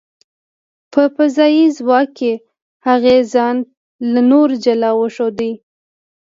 په فضايي ځواک کې، هغې ځان له نورو جلا وښود .